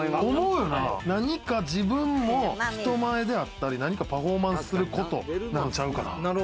何か自分を人前であったり、何かパフォーマンスすることなんちゃうかな？